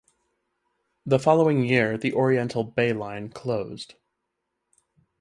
The following year the Oriental Bay line closed.